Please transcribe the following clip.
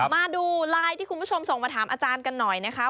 มาดูไลน์ที่คุณผู้ชมส่งมาถามอาจารย์กันหน่อยนะคะ